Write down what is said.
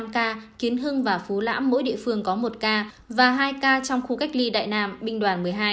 năm ca kiến hưng và phú lãm mỗi địa phương có một ca và hai ca trong khu cách ly đại nam binh đoàn một mươi hai